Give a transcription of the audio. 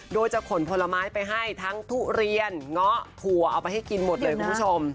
โดยจะขนผลไม้ไปให้ทั้งทุเรียนเงาะถั่วเอาไปให้กินหมดเลยคุณผู้ชม